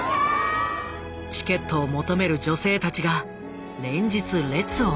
チケットを求める女性たちが連日列を成した。